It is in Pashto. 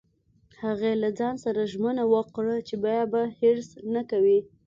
هغې له ځان سره ژمنه وکړه چې بیا به حرص نه کوي